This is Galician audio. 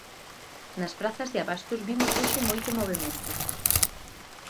Nas prazas de abastos vimos hoxe moito movemento.